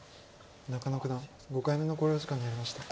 中野九段５回目の考慮時間に入りました。